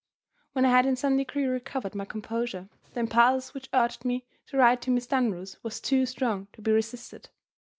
When I had in some degree recovered my composure, the impulse which urged me to write to Miss Dunross was too strong to be resisted.